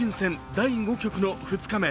第５局の２日目。